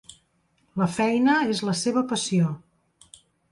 La feina és la seva passió.